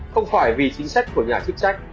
không phải vì chính sách của nhà chức trách